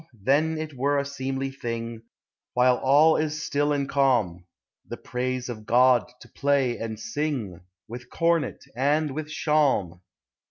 O, then it were a seeing thing While all is still and calm, The praise of God to play and sing With cornet and with shalm!